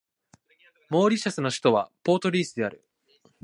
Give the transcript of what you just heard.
モーリシャスの首都はポートルイスである